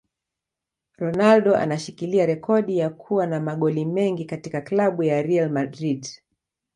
Ronaldo anashikilia rekodi ya kua na magoli mengi katika club ya Real Madrid